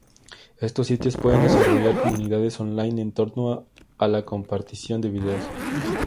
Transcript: Estos sitios pueden desarrollar comunidades online en torno a la compartición de vídeos.